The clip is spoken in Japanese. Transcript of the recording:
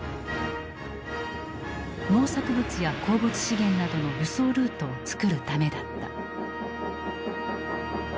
農作物や鉱物資源などの輸送ルートを作るためだった。